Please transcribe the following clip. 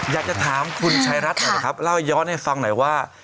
อยากจะถามคุณชายรัฐหน่อยนะครับเล่าย้อนให้ฟังหน่อยว่า